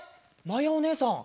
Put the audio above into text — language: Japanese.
まやおねえさん